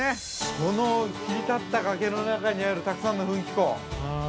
この切り立った崖の中にあるたくさんの噴気孔。